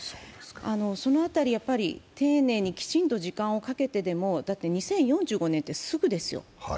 その辺り丁寧にきちんと時間をかけてでも、だって２０４５年って、すぐですよ。